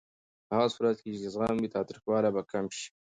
په هغه صورت کې چې زغم وي، تاوتریخوالی به کم شي.